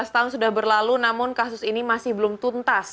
lima belas tahun sudah berlalu namun kasus ini masih belum tuntas